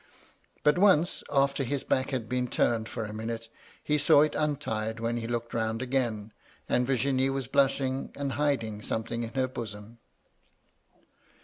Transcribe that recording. But once, after his back had been turned for a minute, he saw it untied when he looked round again, and Virginie was blushing, and hiding something in her bosom.